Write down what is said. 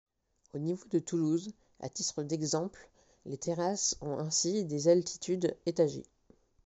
Au niveau de Toulouse, à titre d'exemple, les terrasses ont ainsi des altitudes étagées.